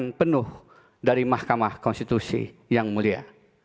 dan penuh dari mahkamah konstitusi yang mulia